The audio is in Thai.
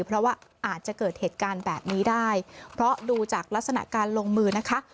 เพราะว่าอาจจะเกิดเหตุการณ์แบบนี้ได้เพราะดูจากลักษณะการลงมือนะคะ